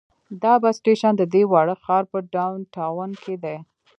دا بس سټیشن د دې واړه ښار په ډاون ټاون کې دی.